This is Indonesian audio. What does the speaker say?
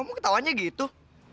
kok kamu ketawanya gitu